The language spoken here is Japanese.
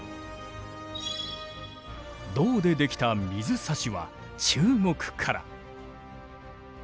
銅で出来た水差しは中国から。